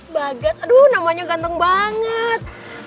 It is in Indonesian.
bagas aduh namanya ganteng banget